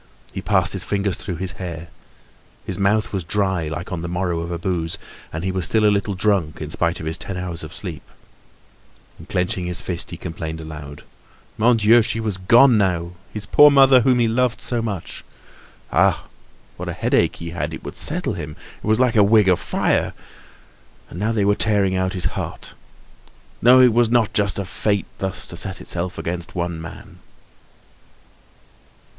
He passed his fingers through his hair. His mouth was dry, like on the morrow of a booze, and he was still a little drunk in spite of his ten hours of sleep. And, clenching his fist, he complained aloud. Mon Dieu! she was gone now, his poor mother, whom he loved so much! Ah! what a headache he had; it would settle him! It was like a wig of fire! And now they were tearing out his heart! No, it was not just of fate thus to set itself against one man!